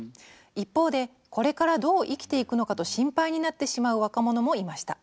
一方でこれからどう生きていくのかと心配になってしまう若者もいました。